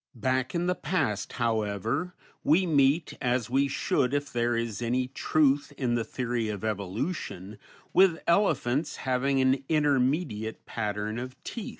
Back in the past, however, we meet, as we should if there is any truth in the theory of evolution, with elephants having an intermediate pattern of teeth.